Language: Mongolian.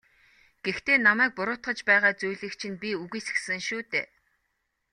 Гэхдээ намайг буруутгаж байгаа зүйлийг чинь би үгүйсгэсэн шүү дээ.